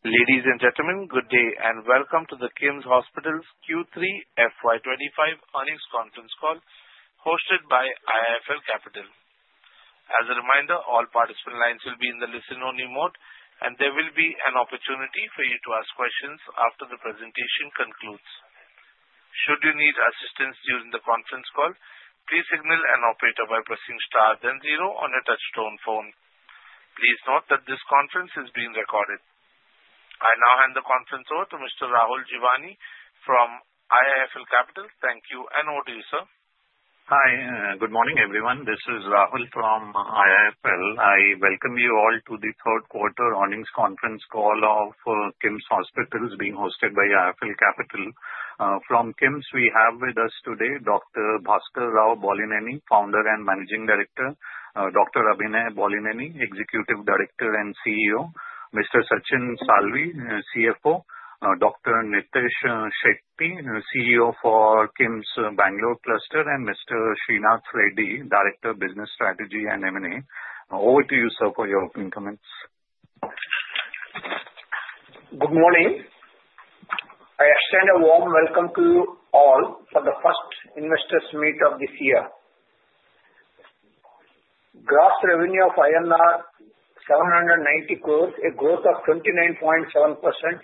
Ladies and gentlemen, good day and welcome to the KIMS Hospitals' Q3 FY 2025 earnings conference call hosted by IIFL Capital. As a reminder, all participant lines will be in the listen-only mode, and there will be an opportunity for you to ask questions after the presentation concludes. Should you need assistance during the conference call, please signal an operator by pressing star then zero on your touch-tone phone. Please note that this conference is being recorded. I now hand the conference over to Mr. Rahul Jeewani from IIFL Capital. Thank you and over to you, sir. Hi, good morning everyone. This is Rahul from IIFL. I welcome you all to the third quarter earnings conference call of KIMS Hospitals being hosted by IIFL Capital. From KIMS, we have with us today Dr. Bhaskar Rao Bollineni, founder and managing director, Dr. Abhinay Bollineni, executive director and CEO, Mr. Sachin Salvi, CFO, Dr. Nitish Shetty, CEO for KIMS Bangalore Cluster, and Mr. Sreenath Reddy, director of business strategy and M&A. Over to you, sir, for your opening comments. Good morning. I extend a warm welcome to you all for the first investors' meet of this year. Gross revenue of INR 790 crore, a growth of 29.7%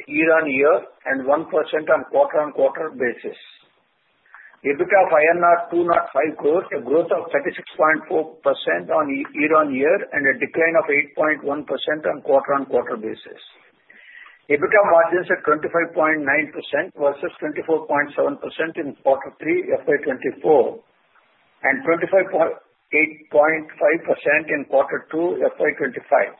year-on-year and 1% on quarter-on-quarter basis. EBITDA of INR 205 crore, a growth of 36.4% year-on-20year and a decline of 8.1% on quarter-on-quarter basis. EBITDA margins at 25.9% versus 24.7% in quarter three FY 2024 and 25.85% in quarter two FY 2025.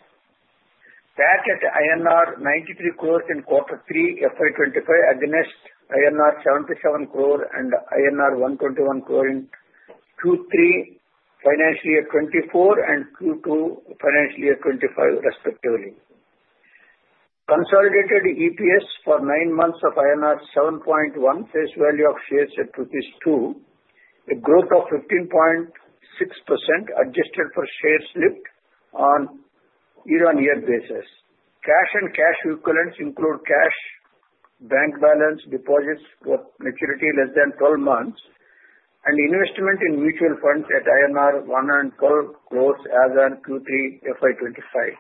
That at INR 93 crore in quarter three FY 2025 against INR 77 crore and INR 121 crore in Q3 FY 2024 and Q2 FY 2025 respectively. Consolidated EPS for nine months of INR 7.1 face value of shares at 2, a growth of 15.6% adjusted for share split on year-on-year basis. Cash and cash equivalents include cash bank balance deposits with maturity less than 12 months and investment in mutual funds at 112 crore as on Q3 FY 2025.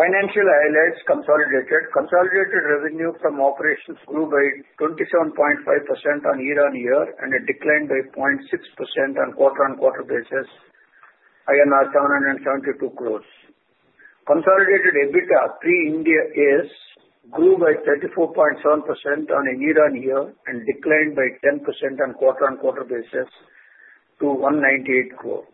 Financial highlights consolidated. Consolidated revenue from operations grew by 27.5% on year-on-year and a decline by 0.6% on quarter-on-quarter basis, INR 772 crore. Consolidated EBITDA pre-Ind AS grew by 34.7% on a year-on-year and declined by 10% on quarter-on-quarter basis to 198 crore.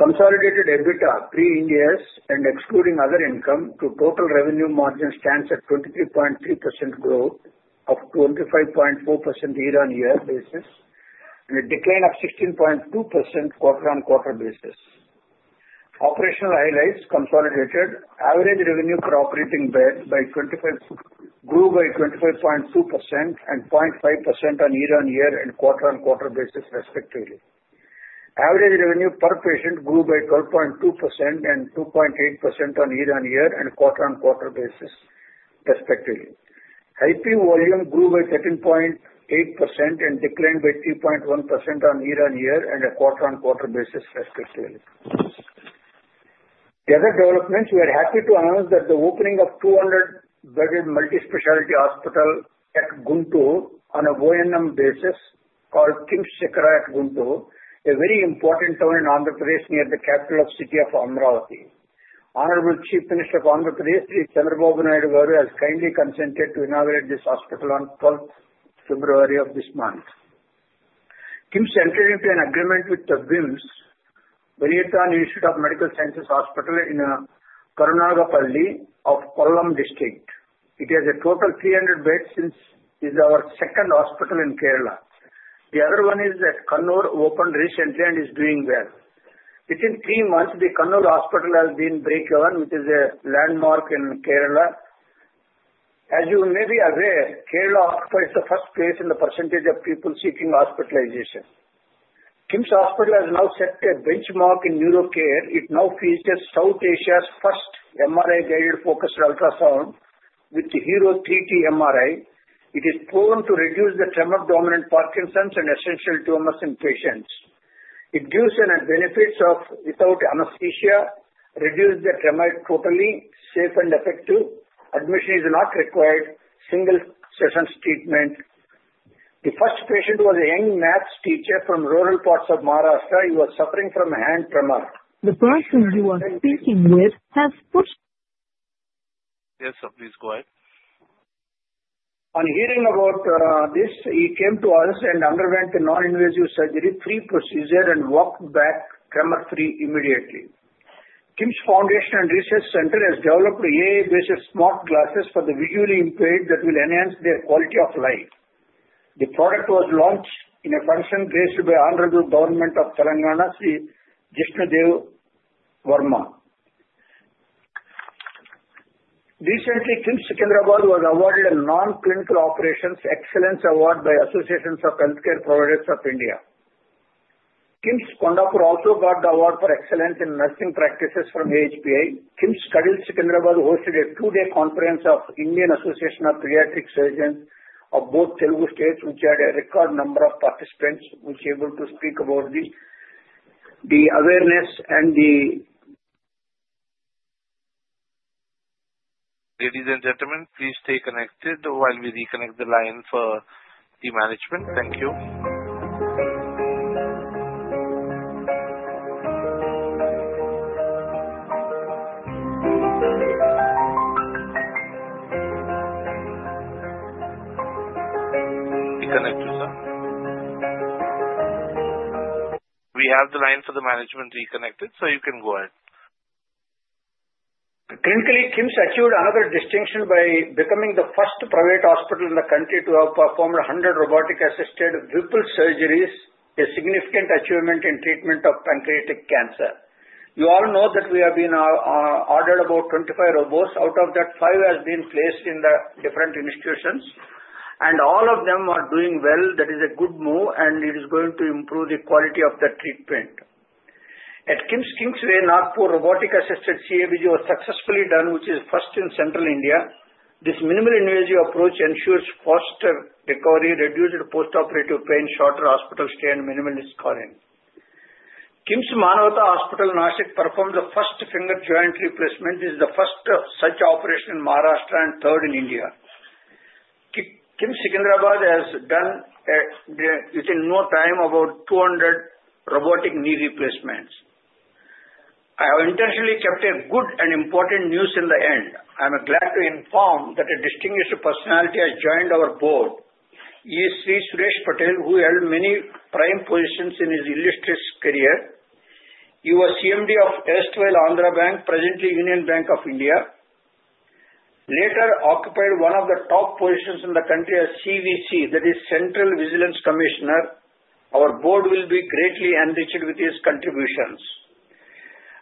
Consolidated EBITDA pre-Ind AS and excluding other income to total revenue margin stands at 23.3% growth of 25.4% year-on-year basis and a decline of 16.2% quarter-on-quarter basis. Operational highlights consolidated. Average revenue per operating bed, ARPOB, grew by 25.2% and 0.5% on year-on-year and quarter-on-quarter basis respectively. Average revenue per patient grew by 12.2% and 2.8% on year-on-year and quarter-on-quarter basis respectively. IP volume grew by 13.8% and declined by 3.1% on year-on-year and a quarter-on-quarter basis respectively. The other developments, we are happy to announce that the opening of 200-bedded multispecialty hospital at Guntur on a O&M basis called KIMS-Sikhara at Guntur, a very important town in Andhra Pradesh near the capital city of Amaravati. The Honorable Chief Minister of Andhra Pradesh, Chandrababu Naidu Garu, has kindly consented to inaugurate this hospital on 12th February of this month. KIMS entered into an agreement with the VIMS, Valiyath Institute of Medical Sciences Hospital in Karunagappally of Kollam District. It has a total of 300 beds since it is our second hospital in Kerala. The other one is at Kannur, opened recently and is doing well. Within three months, the Kannur hospital has achieved breakeven, which is a landmark in Kerala. As you may be aware, Kerala occupies the first place in the percentage of people seeking hospitalization. KIMS Hospitals has now set a benchmark in neuro care. It now features South Asia's first MRI-guided focused ultrasound with the Hero 3T MRI. It is proven to reduce the tremor-dominant Parkinson's and essential tremors in patients. It gives benefits of without anesthesia, reduces the tremor totally, safe and effective. Admission is not required. Single session treatment. The first patient was a young math teacher from rural parts of Maharashtra. He was suffering from hand tremor. Yes, sir, please go ahead. On hearing about this, he came to us and underwent a non-invasive, surgery-free procedure, and walked back tremor-free immediately. KIMS Foundation and Research Center has developed AI-based Smart Glasses for the visually impaired that will enhance their quality of life. The product was launched in a function presided by the Honorable Governor of Telangana Sri Jishnu Dev Varma. Recently, KIMS Secunderabad was awarded a non-clinical operations excellence award by Association of Healthcare Providers of India. KIMS Kondapur also got the Award for Excellence in Nursing Practices from AHPI. KIMS Cuddles Secunderabad hosted a two-day conference of Indian Association of Pediatric Surgeons of both Telugu states, which had a record number of participants, which is able to speak about the awareness and the. Ladies and gentlemen, please stay connected while we reconnect the line for the management. Thank you. Reconnect you, sir. We have the line for the management reconnected, so you can go ahead. Clinically, KIMS achieved another distinction by becoming the first private hospital in the country to have performed 100 robotic-assisted Whipple surgeries, a significant achievement in treatment of pancreatic cancer. You all know that we have been ordered about 25 robots. Out of that, five have been placed in the different institutions, and all of them are doing well. That is a good move, and it is going to improve the quality of the treatment. At KIMS-Kingsway Hospitals, Nagpur robotic-assisted CABG was successfully done, which is first in central India. This minimally invasive approach ensures faster recovery, reduced post-operative pain, shorter hospital stay, and minimal scarring. KIMS Manavata Hospital Nashik performed the first finger joint replacement. This is the first such operation in Maharashtra and third in India. KIMS Secunderabad has done within no time about 200 robotic knee replacements. I have intentionally kept a good and important news in the end. I am glad to inform that a distinguished personality has joined our board, Sri Suresh Patel, who held many prime positions in his illustrious career. He was CMD of Andhra Bank, presently Union Bank of India. Later occupied one of the top positions in the country as CVC, that is Central Vigilance Commissioner. Our board will be greatly enriched with his contributions,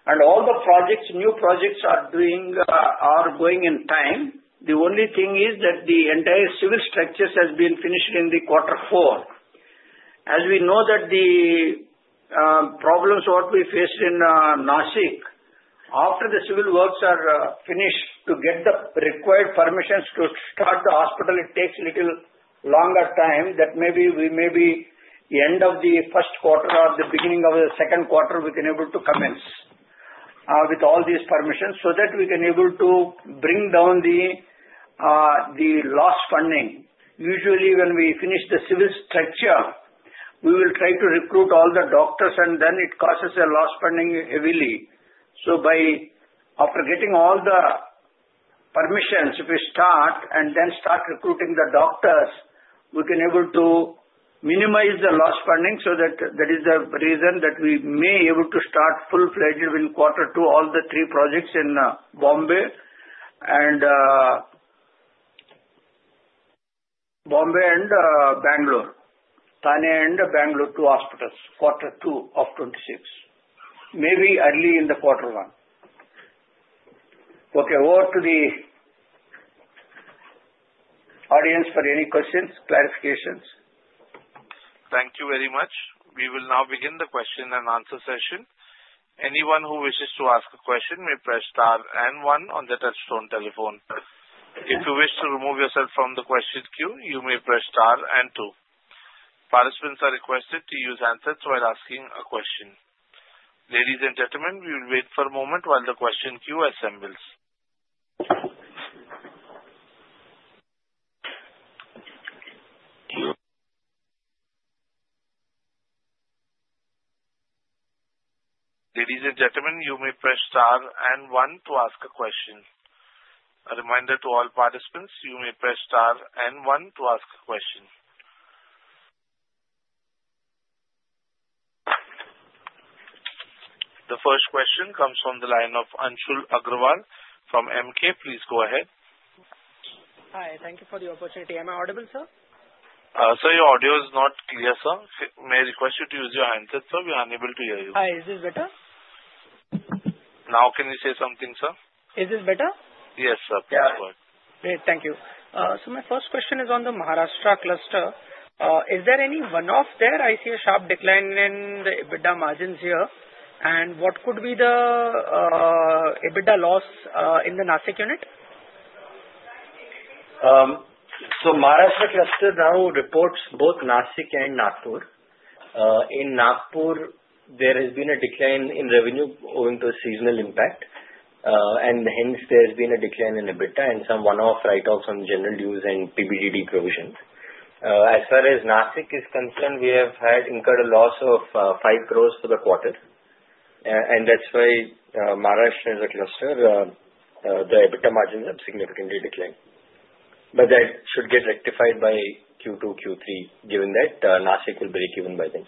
and all the projects, new projects are going in time. The only thing is that the entire civil structures have been finished in the quarter four. As we know that the problems what we faced in Nashik, after the civil works are finished, to get the required permissions to start the hospital, it takes a little longer time. That maybe we may be end of the first quarter or the beginning of the second quarter, we can be able to commence with all these permissions so that we can be able to bring down the loss funding. Usually, when we finish the civil structure, we will try to recruit all the doctors, and then it causes a loss funding heavily. So by after getting all the permissions, if we start and then start recruiting the doctors, we can be able to minimize the loss funding. So that is the reason that we may be able to start full-fledged with quarter two, all the three projects in Bombay and Bangalore, Thane and Bangalore two hospitals, quarter two of 2026, maybe early in the quarter one. Okay, over to the audience for any questions, clarifications. Thank you very much. We will now begin the question and answer session. Anyone who wishes to ask a question may press star and one on the touch-tone telephone. If you wish to remove yourself from the question queue, you may press star and two. Participants are requested to use handsets while asking a question. Ladies and gentlemen, we will wait for a moment while the question queue assembles. Ladies and gentlemen, you may press star and one to ask a question. A reminder to all participants, you may press star and one to ask a question. The first question comes from the line of Anshul Agrawal from Emkay. Please go ahead. Hi, thank you for the opportunity. Am I audible, sir? Sir, your audio is not clear, sir. May I request you to use your handset, sir? We are unable to hear you. Hi, is this better? Now can you say something, sir? Is this better? Yes, sir. Great, thank you. So my first question is on the Maharashtra cluster. Is there any one-off there? I see a sharp decline in the EBITDA margins here. What could be the EBITDA loss in the Nashik unit? Maharashtra cluster, now reports both Nashik and Nagpur. In Nagpur, there has been a decline in revenue owing to a seasonal impact. Hence, there has been a decline in EBITDA and some one-off write-offs on general dues and PBDD provisions. As far as Nashik is concerned, we have incurred a loss of 5 crore for the quarter. That's why Maharashtra is a cluster. The EBITDA margins have significantly declined. That should get rectified by Q2, Q3, given that Nashik will break even by then.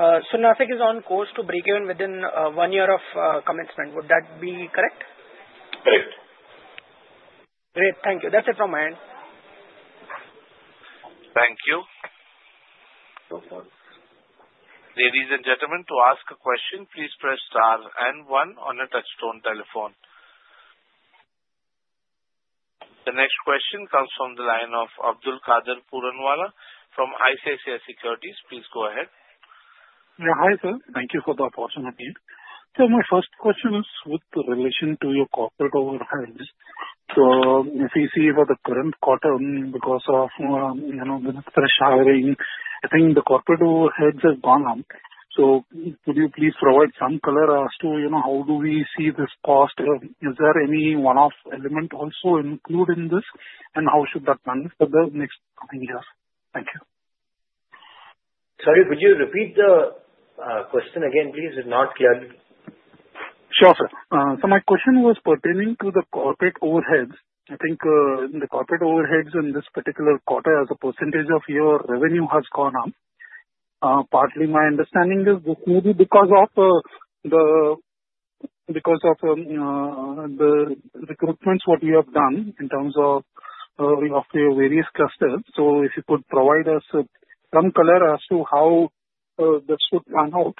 So Nashik is on course to break even within one year of commencement. Would that be correct? Correct. Great, thank you. That's it from my end. Thank you. Ladies and gentlemen, to ask a question, please press star and one on the touch-tone telephone. The next question comes from the line of Abdulkader Puranwala from ICICI Securities. Please go ahead. Yeah, hi sir. Thank you for the opportunity. So my first question is with relation to your corporate overhead. So if we see for the current quarter, because of the fresh hiring, I think the corporate overheads have gone up. So could you please provide some color as to how do we see this cost? Is there any one-off element also included in this? And how should that manage for the next coming years? Thank you. Sorry, would you repeat the question again, please? It's not clear. Sure, sir. So my question was pertaining to the corporate overheads. I think the corporate overheads in this particular quarter, as a percentage of your revenue, has gone up. Partly my understanding is this may be because of the recruitments what you have done in terms of your various clusters. So if you could provide us some color as to how this would pan out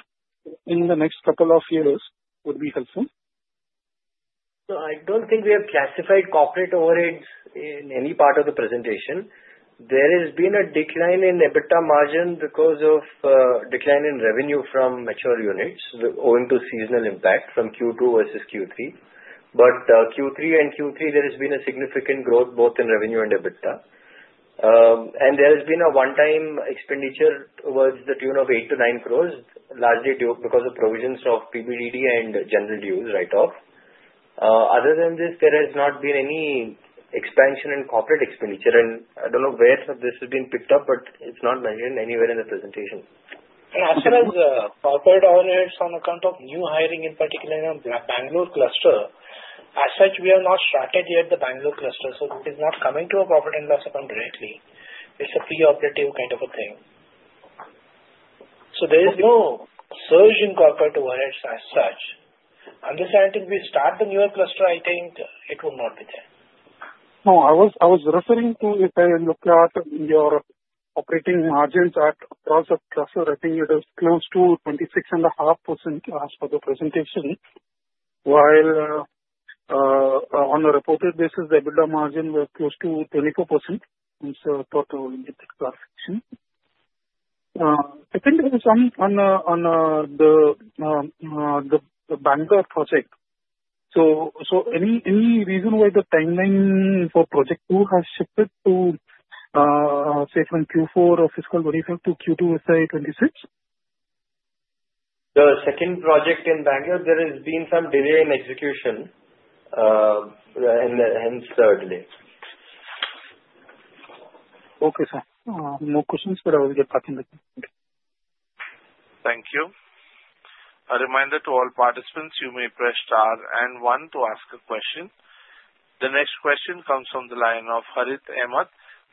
in the next couple of years would be helpful. I don't think we have classified corporate overheads in any part of the presentation. There has been a decline in EBITDA margin because of a decline in revenue from mature units owing to seasonal impact from Q2 versus Q3. But Q3 and Q3, there has been a significant growth both in revenue and EBITDA. And there has been a one-time expenditure towards the tune of 8 crores-9 crores, largely because of provisions of PBDD and general dues write-off. Other than this, there has not been any expansion in corporate expenditure. And I don't know where this has been picked up, but it's not mentioned anywhere in the presentation. As far as corporate overheads on account of new hiring in particular in the Bangalore cluster, as such, we have not started yet the Bangalore cluster. So it is not coming to a profit and loss account directly. It's a pre-operative kind of a thing. So there is no surge in corporate overheads as such. Once we start the newer cluster, I think it will not be there. No, I was referring to if I look at your operating margins across the cluster, I think it is close to 26.5% as per the presentation. While on a reported basis, the EBITDA margin was close to 24%. So total EBITDA section. Second, on the Bangalore project, so any reason why the timeline for project two has shifted to, say, from Q4 of fiscal 2025 to Q2 FY 2026? The second project in Bangalore, there has been some delay in execution. Hence the delay. Okay, sir. No questions, but I will get back in a bit. Thank you. A reminder to all participants, you may press star and one to ask a question. The next question comes from the line of Harith Ahamed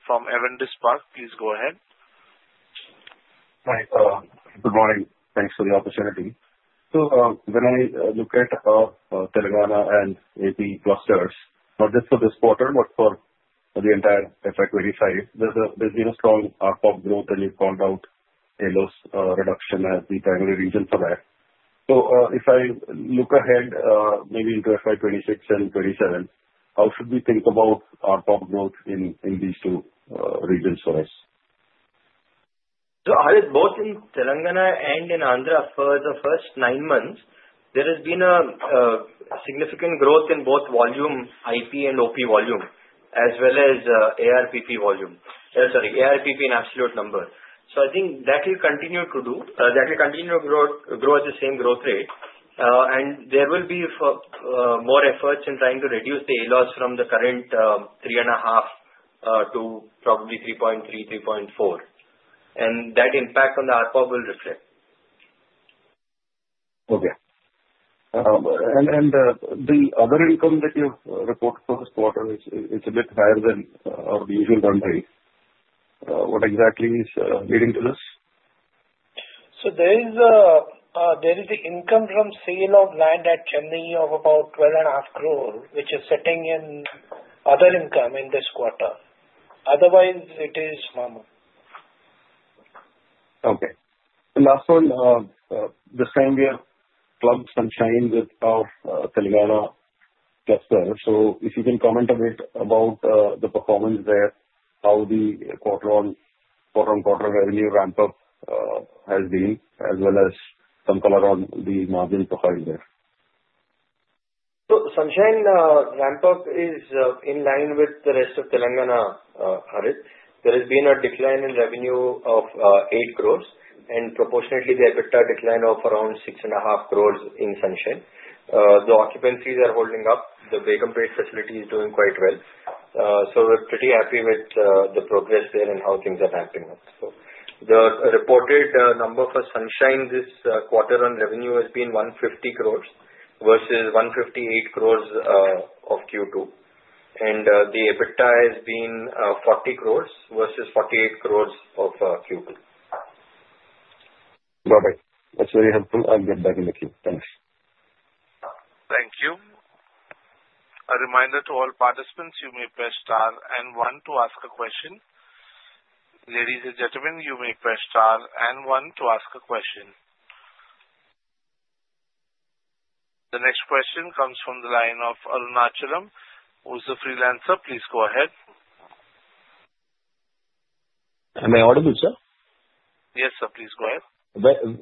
from Avendus Spark. Please go ahead. Hi, good morning. Thanks for the opportunity. So when I look at Telangana and AP clusters, not just for this quarter, but for the entire FY25, there's been a strong ARPOB growth, and you've called out a loss reduction as the primary reason for that. So if I look ahead, maybe into FY 2026 and 2027, how should we think about ARPOB growth in these two regions for us? So both in Telangana and in Andhra, for the first nine months, there has been a significant growth in both volume, IP and OP volume, as well as ARPP volume. Sorry, ARPP in absolute number. So I think that will continue to do. That will continue to grow at the same growth rate. And there will be more efforts in trying to reduce the ALOS from the current 3.5 to probably 3.3, 3.4. And that impact on the ARPOB will reflect. Okay. And the other income that you've reported for this quarter, it's a bit higher than our usual run rate. What exactly is leading to this? There is the income from sale of land at Chennai of about 12.5 crore, which is sitting in other income in this quarter. Otherwise, it is normal. Okay. Last one, this time we have clubbed Sunshine with our Telangana cluster. So if you can comment a bit about the performance there, how the quarter-on-quarter revenue ramp-up has been, as well as some color on the margin profile there. So Sunshine ramp-up is in line with the rest of Telangana, Harith. There has been a decline in revenue of 8 crore. And proportionately, the EBITDA decline of around 6.5 crore in Sunshine. The occupancies are holding up. The bed-based facility is doing quite well. So we're pretty happy with the progress there and how things are ramping up. So the reported number for Sunshine this quarter on revenue has been 150 crore versus 158 crore of Q2. And the EBITDA has been 40 crore versus 48 crore of Q2. Perfect. That's very helpful. I'll get back in a few. Thanks. Thank you. A reminder to all participants, you may press star and one to ask a question. Ladies and gentlemen, you may press star and one to ask a question. The next question comes from the line of Arunachalam, who's a freelancer. Please go ahead. Am I audible, sir? Yes, sir. Please go ahead.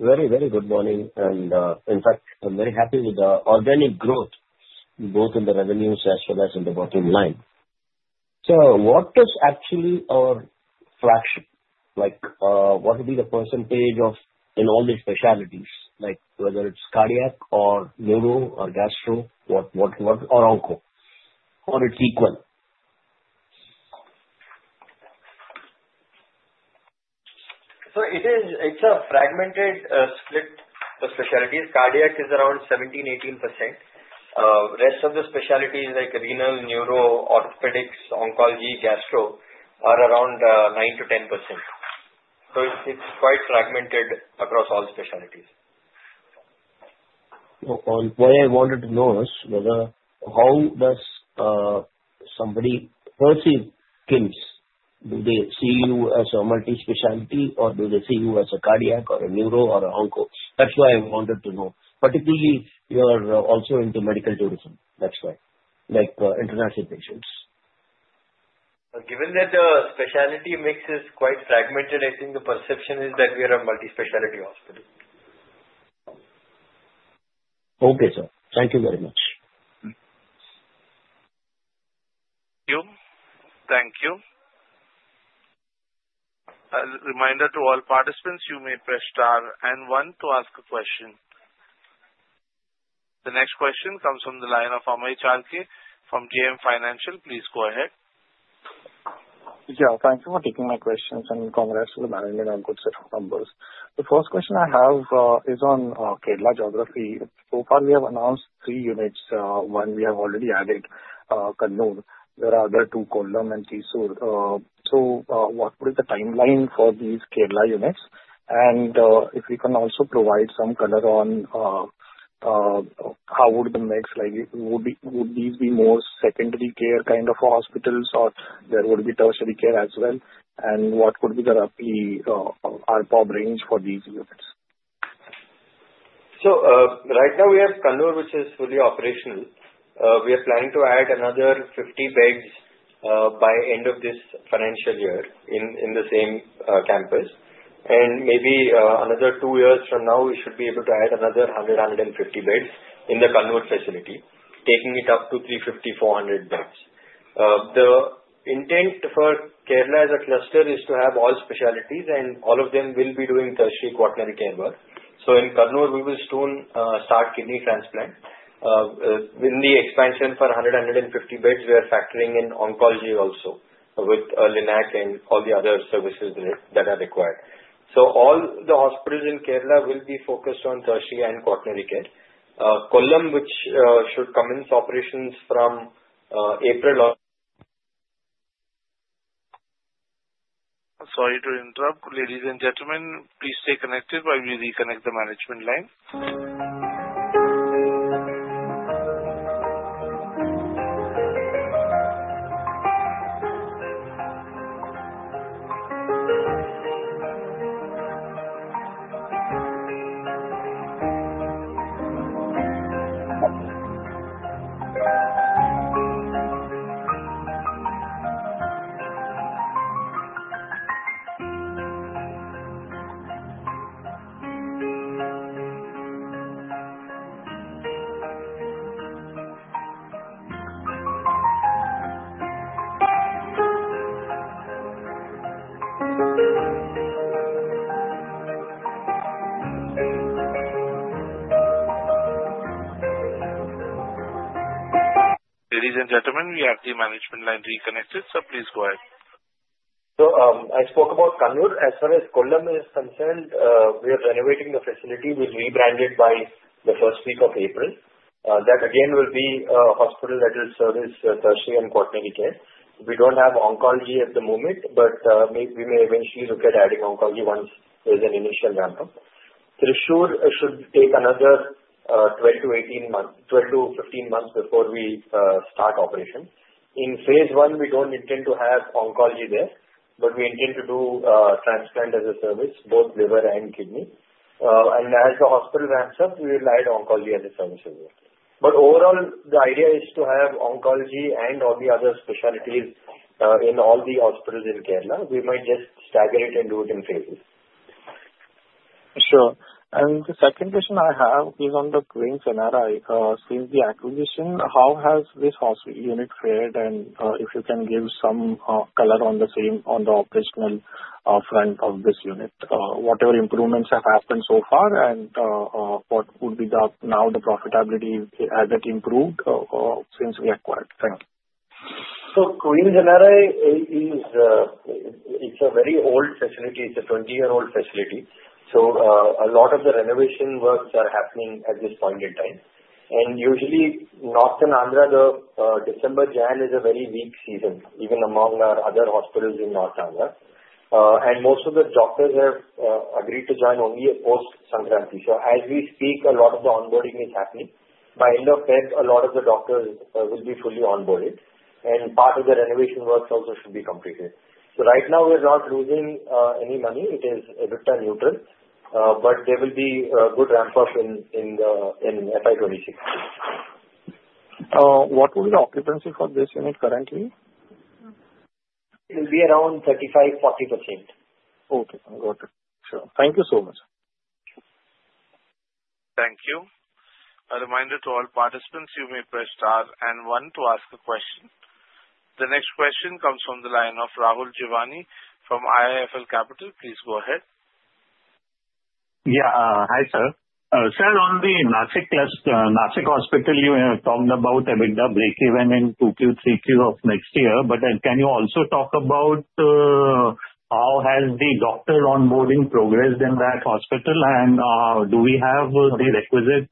Very, very good morning. And in fact, I'm very happy with the organic growth both in the revenues as well as in the bottom line. So what is actually our fraction? What would be the percentage of in all these specialties, whether it's cardiac or neuro or gastro or onco, or it's equal? It's a fragmented split of specialties. Cardiac is around 17%-18%. Rest of the specialties like renal, neuro, orthopedics, oncology, gastro are around 9%-10%. It's quite fragmented across all specialties. What I wanted to know is how does somebody perceive KIMS? Do they see you as a multi-specialty, or do they see you as a cardiac or a neuro or an onco? That's why I wanted to know. Particularly, you're also into medical tourism. That's why. Like international patients. Given that the specialty makes it quite fragmented, I think the perception is that we are a multi-specialty hospital. Okay, sir. Thank you very much. Thank you. Thank you. A reminder to all participants, you may press star and one to ask a question. The next question comes from the line of Amey Chalke from JM Financial. Please go ahead. Yeah, thanks for taking my questions. And congrats for the management on good set of numbers. The first question I have is on Kerala geography. So far, we have announced three units. One, we have already added Kannur. There are other two, Kollam and Thrissur. So what would be the timeline for these Kerala units? And if you can also provide some color on how would the mix like would these be more secondary care kind of hospitals, or there would be tertiary care as well? And what would be the ARPOB range for these units? Right now, we have Kannur, which is fully operational. We are planning to add another 50 beds by end of this financial year in the same campus. And maybe another two years from now, we should be able to add another 100-150 beds in the Kannur facility, taking it up to 350-400 beds. The intent for Kerala as a cluster is to have all specialties, and all of them will be doing tertiary quaternary care work. So in Kannur, we will soon start kidney transplant. In the expansion for 100-150 beds, we are factoring in oncology also with LINAC and all the other services that are required. So all the hospitals in Kerala will be focused on tertiary and quaternary care. Kollam, which should commence operations from April. Sorry to interrupt. Ladies and gentlemen, please stay connected while we reconnect the management line. Ladies and gentlemen, we have the management line reconnected. So please go ahead. I spoke about Kannur. As far as Kollam is concerned, we are renovating the facility. We'll rebrand it by the first week of April. That again will be a hospital that will service tertiary and quaternary care. We don't have oncology at the moment, but we may eventually look at adding oncology once there's an initial ramp-up. Thrissur should take another 12 to 15 months before we start operation. In phase one, we don't intend to have oncology there, but we intend to do transplant as a service, both liver and kidney. As the hospital ramps up, we will add oncology as a service as well. Overall, the idea is to have oncology and all the other specialties in all the hospitals in Kerala. We might just stagger it and do it in phases. Sure. And the second question I have is on the Queen's NRI. Since the acquisition, how has this unit fared? And if you can give some color on the operational front of this unit, whatever improvements have happened so far, and what would be now the profitability? Has it improved since we acquired? Thank you. Queen's NRI, it's a very old facility. It's a 20-year-old facility. So a lot of the renovation works are happening at this point in time. And usually, North Andhra, the December, January is a very weak season, even among our other hospitals in North Andhra. And most of the doctors have agreed to join only post-Sankranti. So as we speak, a lot of the onboarding is happening. By end of February, a lot of the doctors will be fully onboarded. And part of the renovation work also should be completed. So right now, we're not losing any money. It is EBITDA neutral. But there will be a good ramp-up in FY 2026. What would be the occupancy for this unit currently? It will be around 35%-40%. Okay. Got it. Sure. Thank you so much. Thank you. A reminder to all participants, you may press star and one to ask a question. The next question comes from the line of Rahul Jivani from IIFL Capital. Please go ahead. Yeah. Hi, sir. Sir, on the Nashik hospital, you have talked about EBITDA break-even in 2Q, 3Q of next year. But can you also talk about how has the doctor onboarding progressed in that hospital? And do we have the requisite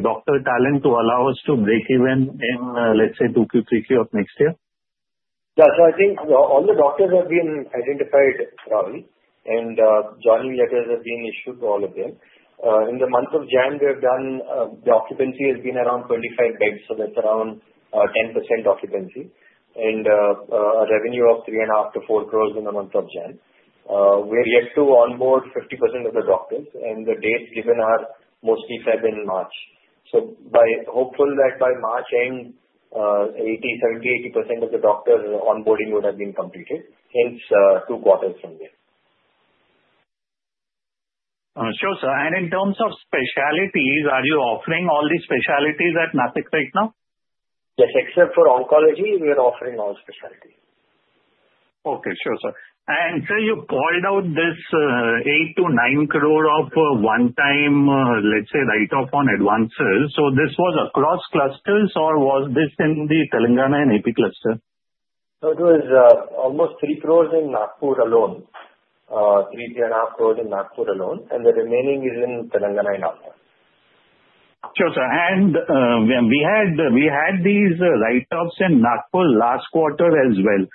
doctor talent to allow us to break-even in, let's say, 2Q, 3Q of next year? Yeah. So I think all the doctors have been identified, Rahul. And joining letters have been issued to all of them. In the month of January, we have done the occupancy has been around 25 beds. So that's around 10% occupancy. And a revenue of 3.5 crores-4 crores in the month of January. We have yet to onboard 50% of the doctors. And the dates given are mostly February and March. So hopeful that by March end, 70%-80% of the doctor onboarding would have been completed. Hence, two quarters from there. Sure, sir. And in terms of specialties, are you offering all the specialties at Nashik right now? Yes. Except for oncology, we are offering all specialties. Okay. Sure, sir. And so you called out this 8 crore-9 crore of one-time, let's say, write-off on advances. So this was across clusters, or was this in the Telangana and AP cluster? It was almost 3 crore in Nagpur alone. 3.5 crore in Nagpur alone. The remaining is in Telangana and Andhra. Sure, sir. And we had these write-offs in Nagpur last quarter as well.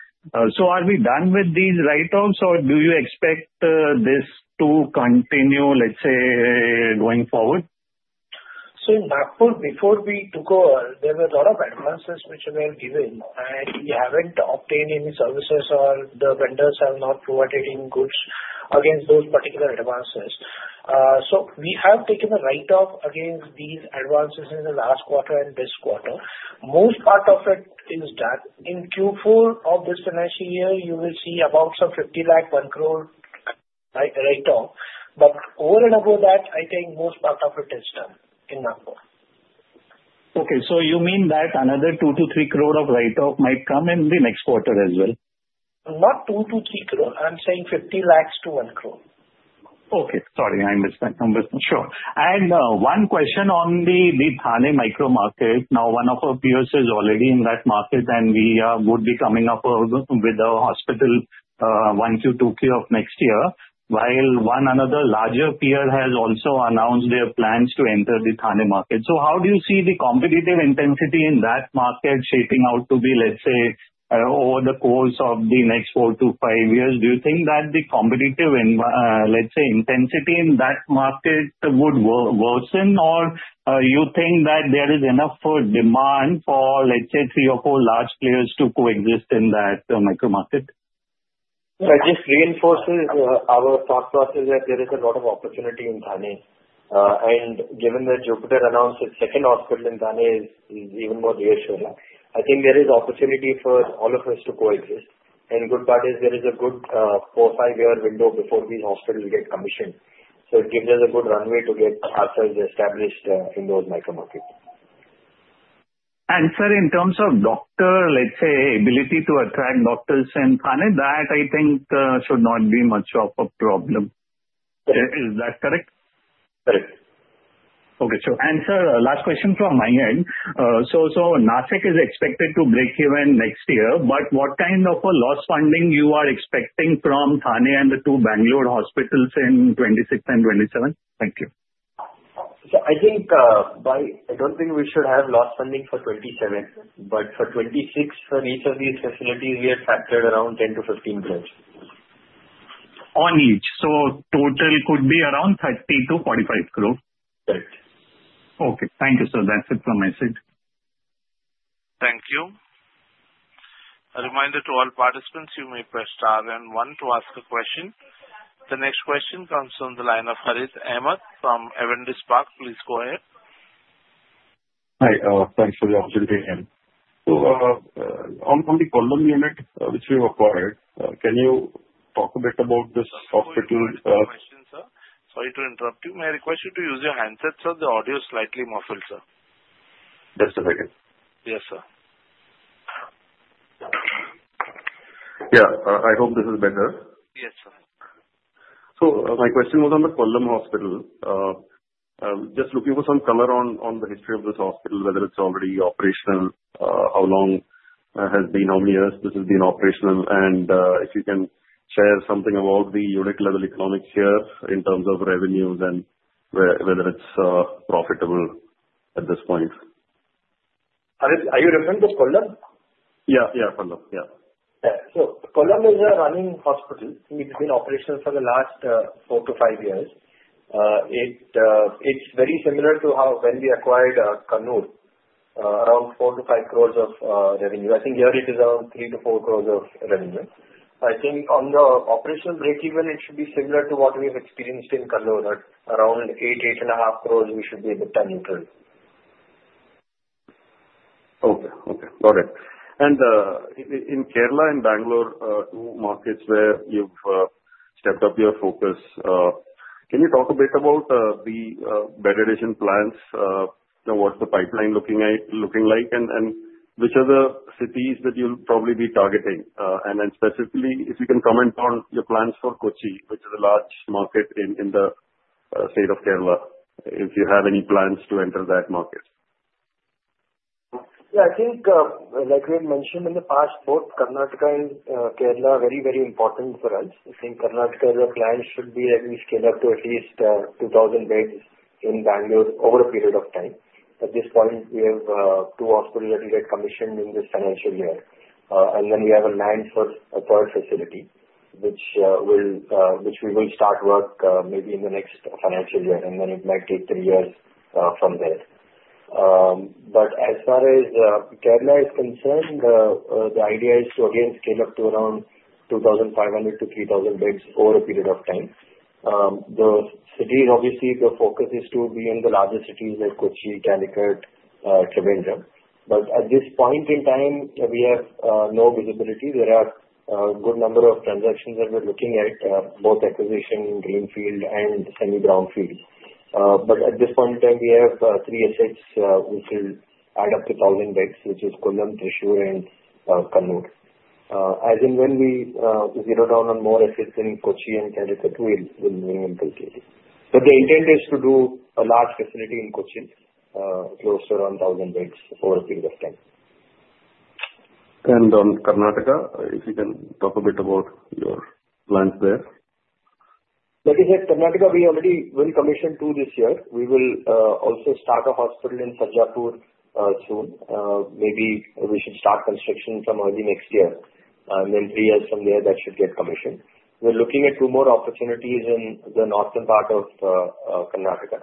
So are we done with these write-offs, or do you expect this to continue, let's say, going forward? Nagpur, before we took over, there were a lot of advances which were given. We haven't obtained any services, or the vendors have not provided any goods against those particular advances. We have taken a write-off against these advances in the last quarter and this quarter. Most part of it is done. In Q4 of this financial year, you will see about some 50 lakh-1 crore write-off. Over and above that, I think most part of it is done in Nagpur. Okay. So you mean that another 2 crore-3 crore of write-off might come in the next quarter as well? Not 2-3 crore. I'm saying 50 lakhs-1 crore. Okay. Sorry. I misheard numbers. Sure. And one question on the Thane micro market. Now, one of our peers is already in that market, and we would be coming up with a hospital 1Q, 2Q of next year, while one another larger peer has also announced their plans to enter the Thane market. So how do you see the competitive intensity in that market shaping out to be, let's say, over the course of the next four to five years? Do you think that the competitive, let's say, intensity in that market would worsen, or you think that there is enough demand for, let's say, three or four large players to coexist in that micro market? That just reinforces our thought process that there is a lot of opportunity in Thane. And given that Jupiter announced its second hospital in Thane, it's even more reassuring. I think there is opportunity for all of us to coexist. And good part is there is a good four, five-year window before these hospitals get commissioned. So it gives us a good runway to get ourselves established in those micro markets. And sir, in terms of doctors, let's say, ability to attract doctors in Thane, that I think should not be much of a problem. Is that correct? Correct. Okay. Sir, last question from my end. Nashik is expected to break-even next year, but what kind of a loss funding you are expecting from Thane and the two Bangalore hospitals in 2026 and 2027? Thank you. So I think I don't think we should have loss funding for 2027. But for 2026, for each of these facilities, we have factored around 10 crore-15 crore. On each. So total could be around 30 crore-45 crore? Correct. Okay. Thank you, sir. That's it from my side. Thank you. A reminder to all participants, you may press star and one to ask a question. The next question comes from the line of Harith Ahamed from Avendus Spark. Please go ahead. Hi. Thanks for the opportunity again. So on the Kollam unit, which we've acquired, can you talk a bit about this hospital? I have a question, sir. Sorry to interrupt you. May I request you to use your handset, sir? The audio is slightly muffled, sir. Just a second. Yes, sir. Yeah. I hope this is better. Yes, sir. So my question was on the Kollam hospital. Just looking for some color on the history of this hospital, whether it's already operational, how long has been, how many years this has been operational, and if you can share something about the unit-level economics here in terms of revenues and whether it's profitable at this point. Are you referring to Kollam? Yeah. Yeah. Kollam. Yeah. Yeah. So Kollam is a running hospital. It's been operational for the last four to five years. It's very similar to how when we acquired Kannur, around 4 crore-5 crore of revenue. I think here it is around 3 crore-4 crore of revenue. I think on the operational break-even, it should be similar to what we have experienced in Kannur, at around 8 crore-8.5 crore, we should be a bit neutral. Okay. Okay. Got it. And in Kerala and Bangalore, two markets where you've stepped up your focus, can you talk a bit about the bed addition plans? What's the pipeline looking like? And which are the cities that you'll probably be targeting? And then specifically, if you can comment on your plans for Kochi, which is a large market in the state of Kerala, if you have any plans to enter that market. Yeah. I think, like we had mentioned in the past, both Karnataka and Kerala are very, very important for us. I think Karnataka as a plan should be that we scale up to at least 2,000 beds in Bangalore over a period of time. At this point, we have two hospitals that we get commissioned in this financial year. And then we have a land for a facility, which we will start work maybe in the next financial year. And then it might take three years from there. But as far as Kerala is concerned, the idea is to again scale up to around 2,500-3,000 beds over a period of time. The cities, obviously, the focus is to be in the larger cities like Kochi, Calicut, Trivandrum. But at this point in time, we have no visibility. There are a good number of transactions that we're looking at, both acquisition, greenfield, and semi-brownfield. But at this point in time, we have three assets which will add up to 1,000 beds, which is Kollam, Thrissur, and Kannur. As and when we zero in on more assets in Kochi and Calicut, we'll be moving into it. But the intent is to do a large facility in Kochi, close to around 1,000 beds over a period of time. And on Karnataka, if you can talk a bit about your plans there. Like I said, Karnataka, we already will commission two this year. We will also start a hospital in Sarjapur soon. Maybe we should start construction from early next year and then three years from there, that should get commissioned. We're looking at two more opportunities in the northern part of Karnataka.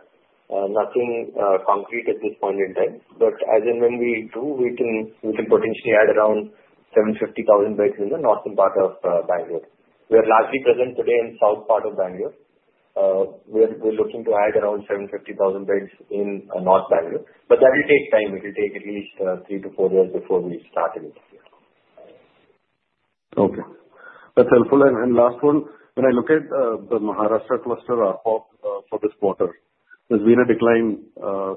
Nothing concrete at this point in time but as and when we do, we can potentially add around 750-1,000 beds in the northern part of Bangalore. We are largely present today in the south part of Bangalore. We're looking to add around 750-1,000 beds in North Bangalore but that will take time. It will take at least three to four years before we start anything. Okay. That's helpful. And last one, when I look at the Maharashtra cluster for this quarter, there's been a decline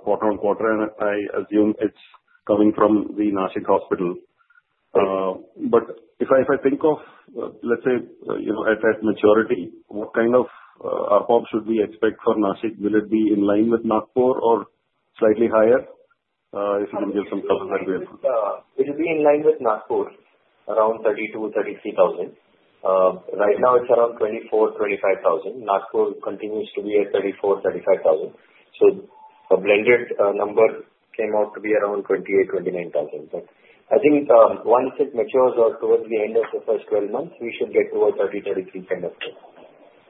quarter-on-quarter, and I assume it's coming from the Nashik hospital. But if I think of, let's say, at that maturity, what kind of outcome should we expect for Nashik? Will it be in line with Nagpur or slightly higher? If you can give some comment that way. It will be in line with Nagpur, around 32,000-33,000. Right now, it's around 24,000-25,000. Nagpur continues to be at 34,000-35,000. So a blended number came out to be around 28,000-29,000. But I think once it matures towards the end of the first 12 months, we should get towards 30,000-33,000 kind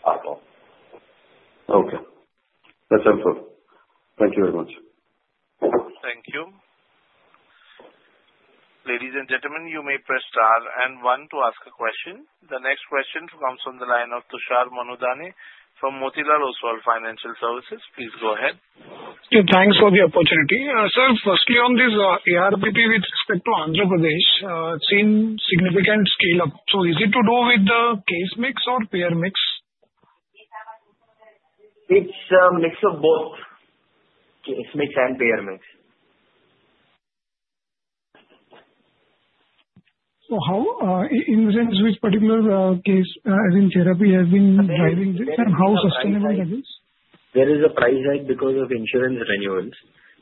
ARPOB. Okay. That's helpful. Thank you very much. Thank you. Ladies and gentlemen, you may press star and one to ask a question. The next question comes from the line of Tushar Manudhane from Motilal Oswal Financial Services. Please go ahead. Thanks for the opportunity. Sir, firstly on this ARPP with respect to Andhra Pradesh, it's seen significant scale-up. So is it to do with the case mix or payer mix? It's a mix of both, case mix and payer mix. So, in which particular case, as in therapy, has been driving this? And how sustainable that is? There is a price hike because of insurance renewals.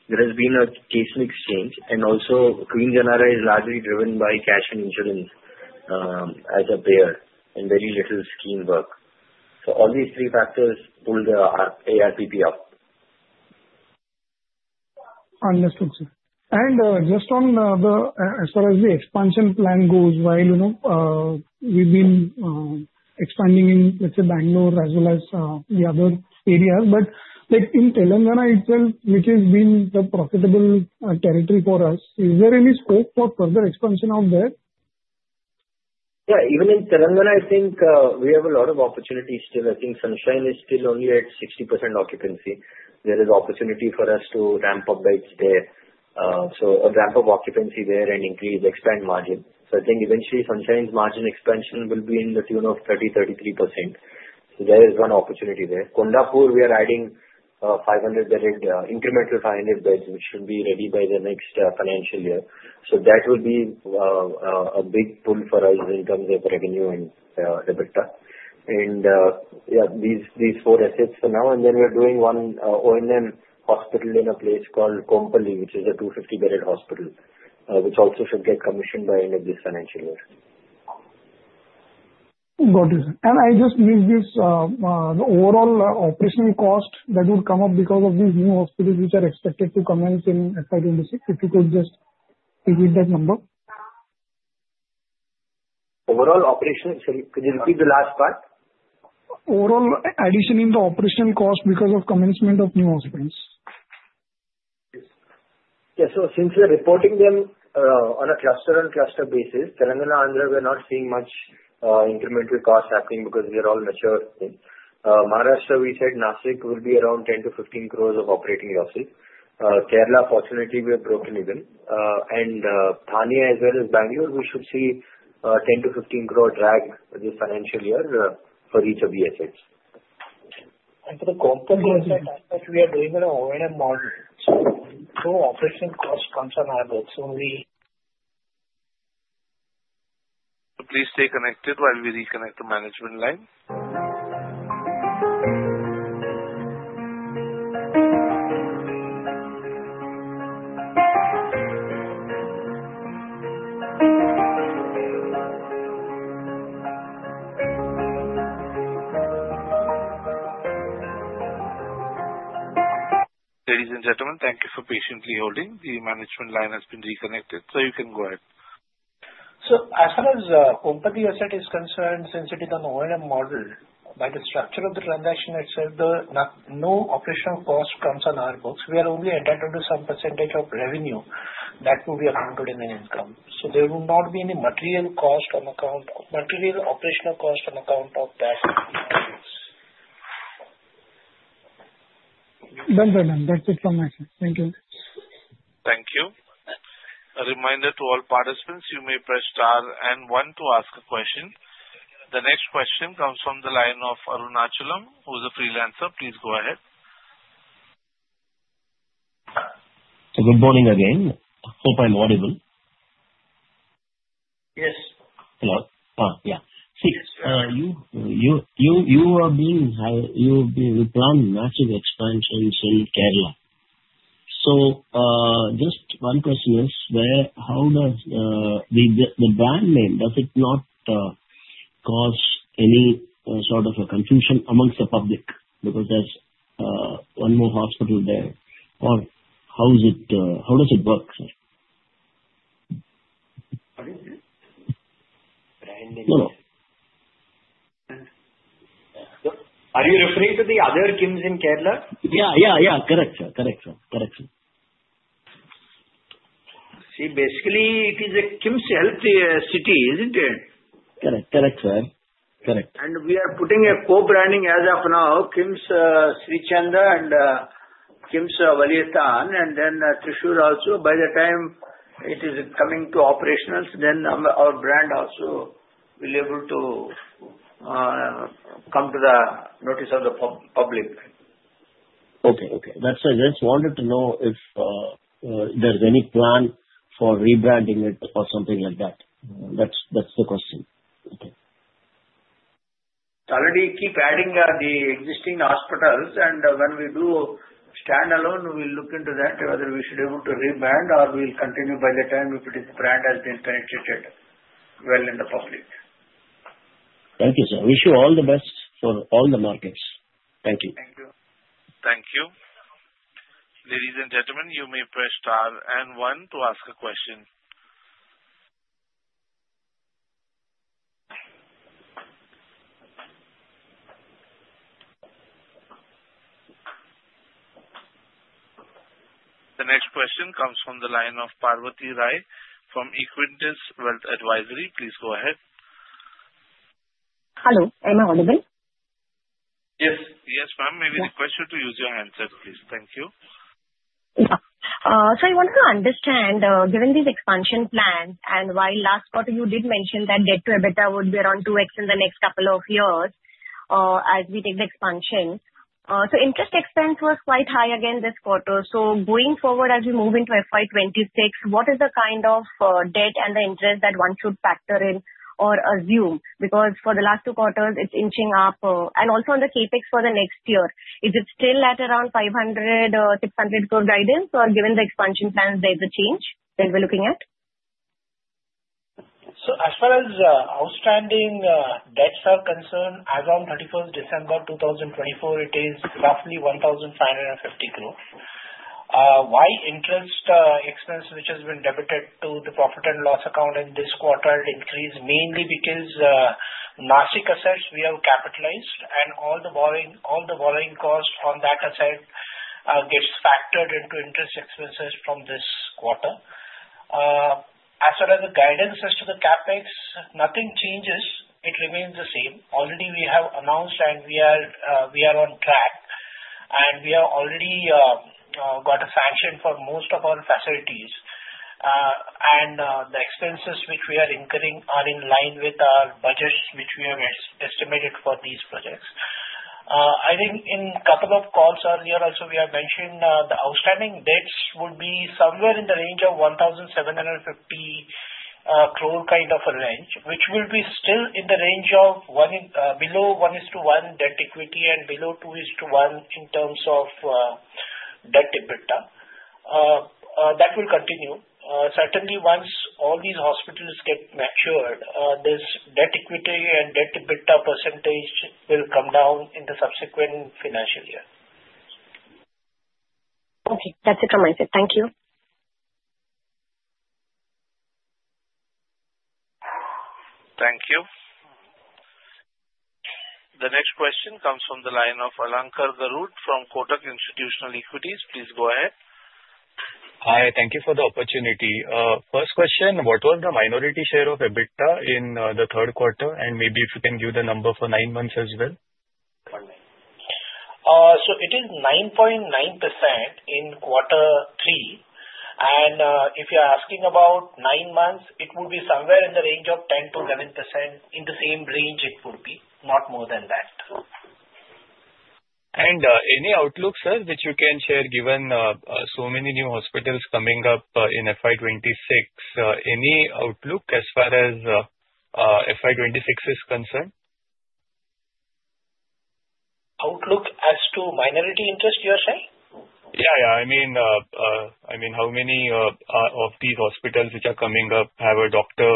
There has been a case mix change, and also, Queen's NRI is largely driven by cash and insurance as a payer and very little scheme work, so all these three factors pull the ARPP up. Understood, sir. And just on the, as far as the expansion plan goes, while we've been expanding in, let's say, Bangalore as well as the other areas, but in Telangana, itself, which has been the profitable territory for us, is there any scope for further expansion out there? Yeah. Even in Telangana, I think we have a lot of opportunities still. I think Sunshine is still only at 60% occupancy. There is opportunity for us to ramp up beds there. So a ramp of occupancy there and increase expand margin. So I think eventually Sunshine's margin expansion will be in the tune of 30%-33%. So there is one opportunity there. Kondapur, we are adding 500 beds, incremental 500 beds, which should be ready by the next financial year. So that will be a big pull for us in terms of revenue and EBITDA. And yeah, these four assets for now. And then we're doing one O&M hospital in a place called Kompally, which is a 250-bedded hospital, which also should get commissioned by end of this financial year. Got it. And I just missed this, the overall operational cost that would come up because of these new hospitals which are expected to commence in FY 2026. If you could just repeat that number. Overall operational, sorry, could you repeat the last part? Overall addition in the operational cost because of commencement of new hospitals? Yes. Yeah. So since we're reporting them on a cluster-on-cluster basis, Telangana and Andhra, we're not seeing much incremental cost happening because we are all mature. Maharashtra, we said Nashik will be around 10 crore-15 crore of operating losses. Kerala, fortunately, we have broken even. And Thane, as well as Bangalore, we should see 10 crore-15 crore drag this financial year for each of the assets. And for the Kollam, we are doing an O&M model. So no operational costs concern our beds. So we. Please stay connected while we reconnect the management line. Ladies and gentlemen, thank you for patiently holding. The management line has been reconnected. So you can go ahead. So as far as Kompally asset is concerned, since it is an O&M model, by the structure of the transaction itself, no operational cost comes on our books. We are only entitled to some percentage of revenue that will be accounted in an income. So there will not be any material cost on account of material operational cost on account of that. Done. That's it from my side. Thank you. Thank you. A reminder to all participants, you may press star and one to ask a question. The next question comes from the line of Arunachalam, who is a freelancer. Please go ahead. Good morning again. Hope I'm audible. Yes. Hello. Yeah. See, you have been planning massive expansion in Kerala. So just one question is, how does the brand name, does it not cause any sort of confusion among the public? Because there's one more hospital there. Or how does it work, sir? Hello? Are you referring to the other KIMS in Kerala? Yeah. Correct. See, basically, it is a KIMS Health City, isn't it? Correct. Correct. Correct. We are putting a co-branding as of now, KIMS Sreechand and KIMS Valiyath, and then Thrissur also. By the time it is coming to operational, then our brand also will be able to come to the notice of the public. Okay. That's why I just wanted to know if there's any plan for rebranding it or something like that. That's the question. Already keep adding the existing hospitals, and when we do standalone, we'll look into that whether we should be able to rebrand or we'll continue by the time if it is brand has been penetrated well in the public. Thank you, sir. Wish you all the best for all the markets. Thank you. Thank you. Ladies and gentlemen, you may press star and one to ask a question. The next question comes from the line of Parvati Rai from Equentis Wealth Advisory. Please go ahead. Hello. Am I audible? Yes. Yes, ma'am. May we request you to use your handset, please? Thank you. Yeah. So I want to understand, given these expansion plans and while last quarter you did mention that debt to EBITDA would be around 2x in the next couple of years as we take the expansion. So interest expense was quite high again this quarter. So going forward, as we move into FY 2026, what is the kind of debt and the interest that one should factor in or assume? Because for the last two quarters, it's inching up. And also on the CapEx for the next year, is it still at around 500 crore-600 crore guidance? Or given the expansion plans, there's a change that we're looking at? As far as outstanding debts are concerned, as of 31st December 2024, it is roughly 1,550 crore. The interest expense, which has been debited to the profit and loss account in this quarter, increased mainly because Nashik assets we have capitalized, and all the borrowing cost on that asset gets factored into interest expenses from this quarter. As far as the guidance as to the CapEx, nothing changes. It remains the same. We have already announced and we are on track, and we have already got a sanction for most of our facilities, and the expenses which we are incurring are in line with our budgets which we have estimated for these projects. I think in a couple of calls earlier also, we have mentioned the outstanding debts would be somewhere in the range of 1,750 crore kind of a range, which will be still in the range of below 1:1 debt equity and below 2:1 in terms of debt EBITDA. That will continue. Certainly, once all these hospitals get matured, this debt equity and debt EBITDA percentage will come down in the subsequent financial year. Okay. That's it from my side. Thank you. Thank you. The next question comes from the line of Alankar Garude from Kotak Institutional Equities. Please go ahead. Hi. Thank you for the opportunity. First question, what was the minority share of EBITDA in the third quarter? And maybe if you can give the number for nine months as well? It is 9.9% in quarter three. If you're asking about nine months, it would be somewhere in the range of 10%-11% in the same range it would be. Not more than that. Any outlook, sir, which you can share given so many new hospitals coming up in FY 2026? Any outlook as far as FY 2026 is concerned? Outlook as to minority interest, you are saying? Yeah. Yeah. I mean, how many of these hospitals which are coming up have a doctor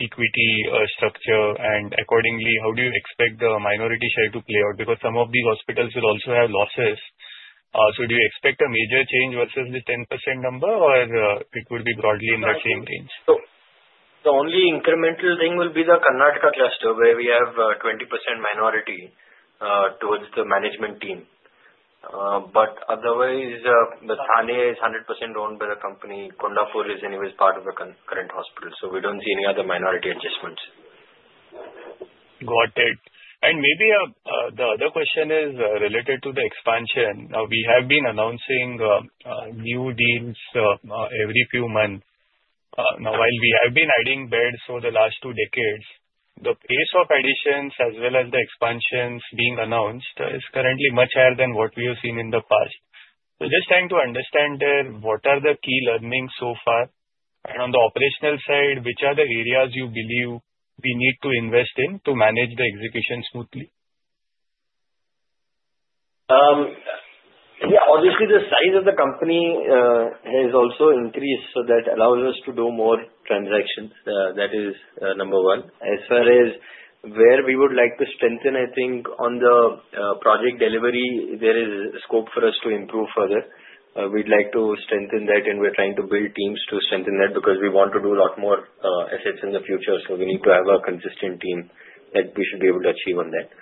equity structure? And accordingly, how do you expect the minority share to play out? Because some of these hospitals will also have losses. So do you expect a major change versus the 10% number, or it would be broadly in that same range? So the only incremental thing will be the Karnataka cluster where we have 20% minority towards the management team. But otherwise, the Thane is 100% owned by the company. Kondapur is anyways part of the current hospital. So we don't see any other minority adjustments. Got it. And maybe the other question is related to the expansion. Now, we have been announcing new deals every few months. Now, while we have been adding beds for the last two decades, the pace of additions as well as the expansions being announced is currently much higher than what we have seen in the past. So just trying to understand there, what are the key learnings so far? And on the operational side, which are the areas you believe we need to invest in to manage the execution smoothly? Yeah. Obviously, the size of the company has also increased, so that allows us to do more transactions. That is number one. As far as where we would like to strengthen, I think on the project delivery, there is scope for us to improve further. We'd like to strengthen that, and we're trying to build teams to strengthen that because we want to do a lot more assets in the future. So we need to have a consistent team that we should be able to achieve on that.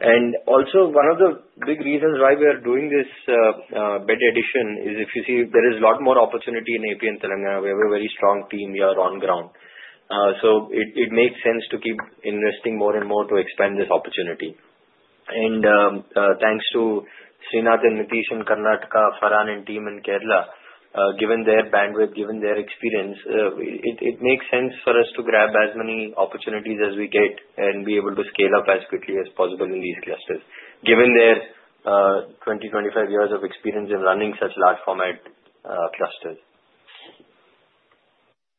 And also, one of the big reasons why we are doing this bed addition is if you see, there is a lot more opportunity in AP and Telangana. We have a very strong team. We are on ground. So it makes sense to keep investing more and more to expand this opportunity. Thanks to Sreenath and Nitish in Karnataka, Farhan and team in Kerala, given their bandwidth, given their experience, it makes sense for us to grab as many opportunities as we get and be able to scale up as quickly as possible in these clusters, given their 20-25 years of experience in running such large format clusters.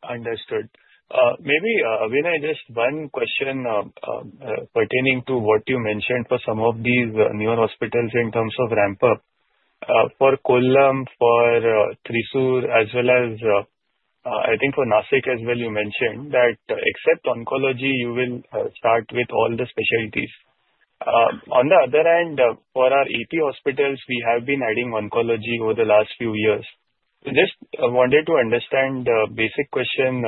Understood. Maybe Abhinay, just one question pertaining to what you mentioned for some of these newer hospitals in terms of ramp-up. For Kollam, for Thrissur, as well as I think for Nashik as well, you mentioned that except oncology, you will start with all the specialties. On the other hand, for our AP hospitals, we have been adding oncology over the last few years. Just wanted to understand the basic question,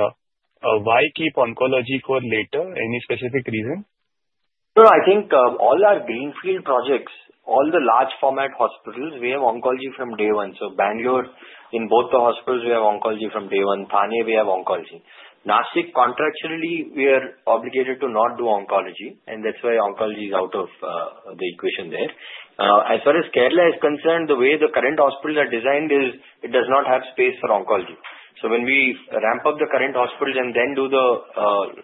why keep oncology for later? Any specific reason? So I think all our greenfield projects, all the large format hospitals, we have oncology from day one. So Bangalore, in both the hospitals, we have oncology from day one. Thane, we have oncology. Nashik, contractually, we are obligated to not do oncology. And that's why oncology is out of the equation there. As far as Kerala is concerned, the way the current hospitals are designed is it does not have space for oncology. So when we ramp up the current hospitals and then do the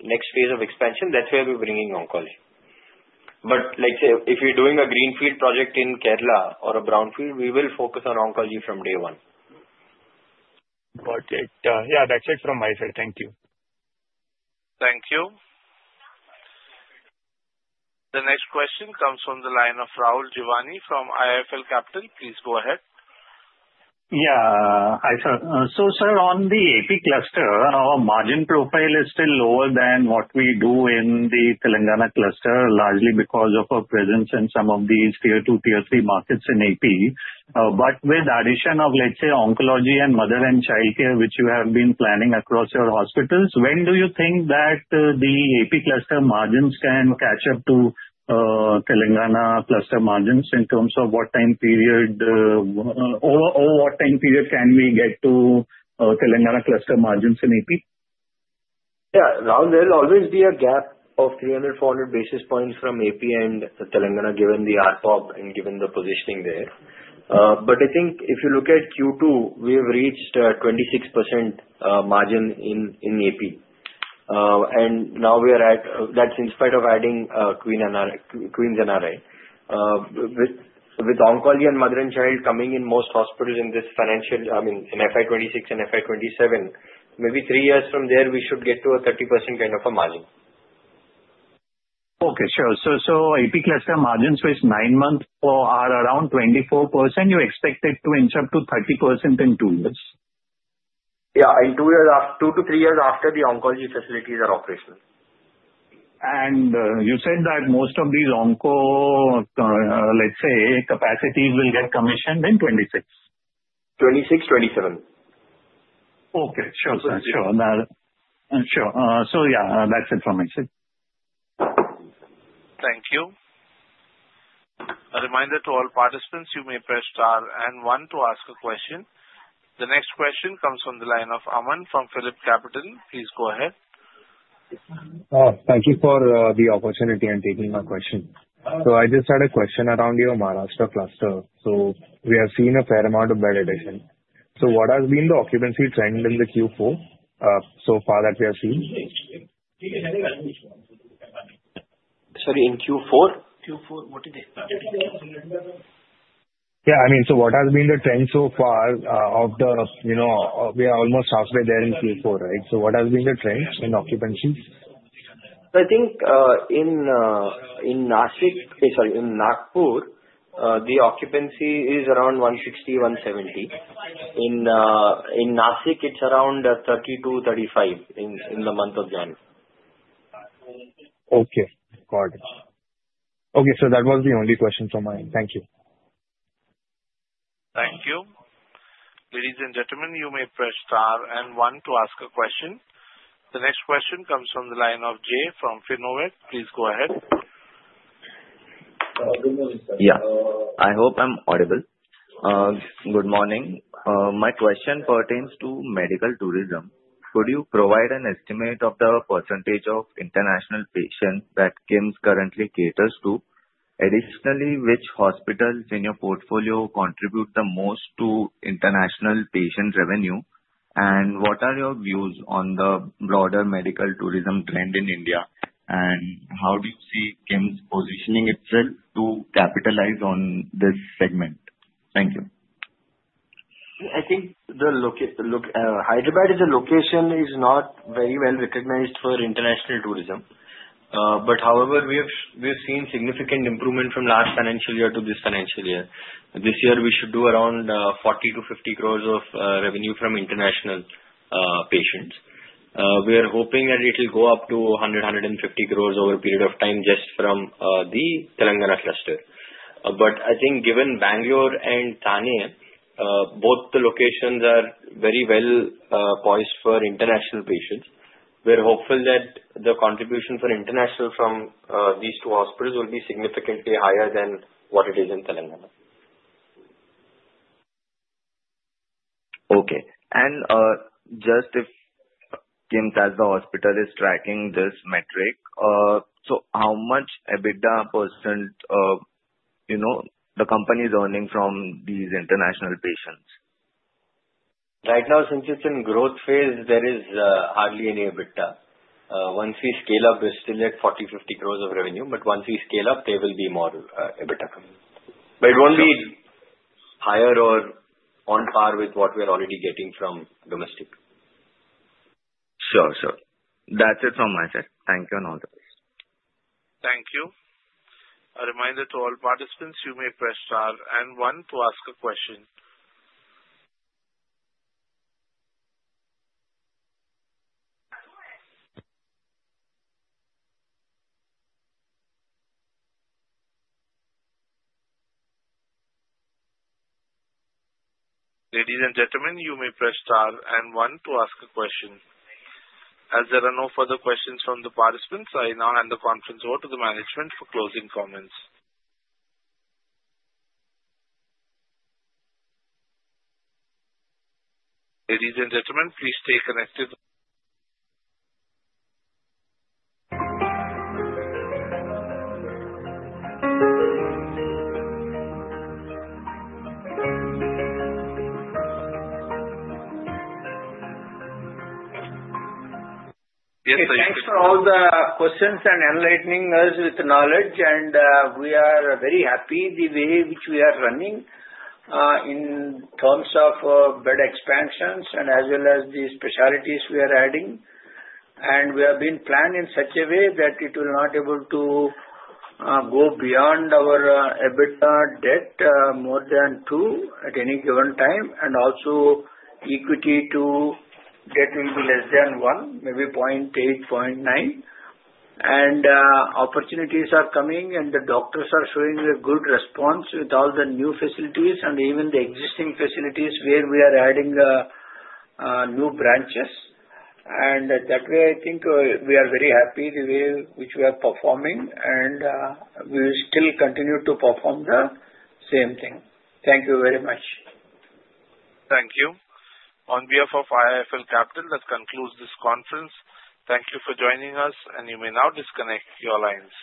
next phase of expansion, that's where we're bringing oncology. But if you're doing a greenfield project in Kerala or a brownfield, we will focus on oncology from day one. Got it. Yeah. That's it from my side. Thank you. Thank you. The next question comes from the line of Rahul Jeewani from IIFL Capital. Please go ahead. Yeah. Hi, sir. So sir, on the AP cluster, our margin profile is still lower than what we do in the Telangana cluster, largely because of our presence in some of these tier two, tier three markets in AP. But with the addition of, let's say, oncology and mother and childcare, which you have been planning across your hospitals, when do you think that the AP cluster margins can catch up to Telangana cluster margins in terms of what time period or what time period can we get to Telangana cluster margins in AP? Yeah. Now, there will always be a gap of 300-400 basis points from AP and Telangana given the ARPOB and given the positioning there. But I think if you look at Q2, we have reached a 26% margin in AP. And now we are at that's in spite of adding Queen's NRI. With oncology and mother and child coming in most hospitals in this financial, I mean, in FY 2026 and FY 2027, maybe three years from there, we should get to a 30% kind of a margin. Okay. Sure. So AP cluster margins with nine months are around 24%. You expect it to inch up to 30% in two years? Yeah. In two to three years after the oncology facilities are operational. You said that most of these onco, let's say, capacities will get commissioned in 2026? 2026-2027. Okay. Sure. So yeah, that's it from my side. Thank you. A reminder to all participants, you may press star and one to ask a question. The next question comes from the line of Aman from PhillipCapital. Please go ahead. Thank you for the opportunity and taking my question. So I just had a question around your Maharashtra cluster. So we have seen a fair amount of bed addition. So what has been the occupancy trend in the Q4 so far that we have seen? Sorry, in Q4? Q4, what is it? Yeah. I mean, so what has been the trend so far? We are almost halfway there in Q4, right? So what has been the trend in occupancy? I think in Nashik, sorry, in Nagpur, the occupancy is around 160-170. In Nashik, it's around 30-35 in the month of January. Okay. Got it. Okay. So that was the only question from mine. Thank you. Thank you. Ladies and gentlemen, you may press star and one to ask a question. The next question comes from the line of Jay from Finnovate. Please go ahead. Yeah. I hope I'm audible. Good morning. My question pertains to medical tourism. Could you provide an estimate of the percentage of international patients that KIMS currently caters to? Additionally, which hospitals in your portfolio contribute the most to international patient revenue? And what are your views on the broader medical tourism trend in India? And how do you see KIMS positioning itself to capitalize on this segment? Thank you. I think Hyderabad as a location is not very well recognized for international tourism. But however, we have seen significant improvement from last financial year to this financial year. This year, we should do around 40 crores-50 crores of revenue from international patients. We are hoping that it will go up to 100 crores-150 crores over a period of time just from the Telangana cluster. But I think given Bangalore and Thane, both the locations are very well poised for international patients. We're hopeful that the contribution for international from these two hospitals will be significantly higher than what it is in Telangana. Okay. And just if KIMS as the hospital is tracking this metric, so how much EBITDA percent the company is earning from these international patients? Right now, since it's in growth phase, there is hardly any EBITDA. Once we scale up, we're still at 40 crores-50 crores of revenue. But once we scale up, there will be more EBITDA. But it won't be higher or on par with what we are already getting from domestic. Sure. Sure. That's it from my side. Thank you on all the questions. Thank you. A reminder to all participants, you may press star and one to ask a question. Ladies and gentlemen, you may press star and one to ask a question. As there are no further questions from the participants, I now hand the conference over to the management for closing comments. Ladies and gentlemen, please stay connected. Thanks for all the questions and enlightening us with knowledge. And we are very happy the way which we are running in terms of bed expansions and as well as the specialties we are adding. And we have been planned in such a way that it will not be able to go beyond our EBITDA debt more than two at any given time. And also, equity to debt will be less than one, maybe 0.8, 0.9. And opportunities are coming, and the doctors are showing a good response with all the new facilities and even the existing facilities where we are adding new branches. And that way, I think we are very happy the way which we are performing, and we will still continue to perform the same thing. Thank you very much. Thank you. On behalf of IIFL Capital, that concludes this conference. Thank you for joining us, and you may now disconnect. Your lines.